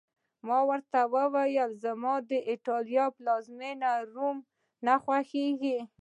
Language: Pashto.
ما ورته وویل: زما د ایټالیا پلازمېنه، روم نه خوښېږي.